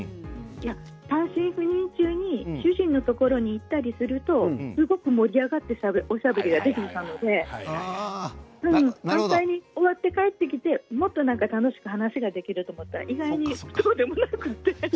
単身赴任中に主人のところに行ったりするとすごく盛り上がっておしゃべりしたのでそれが終わって帰ってきてもっと楽しく話ができると思ったら意外にそうでもなくて。